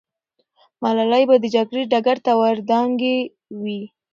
ملالۍ به د جګړې ډګر ته ور دانګلې وي.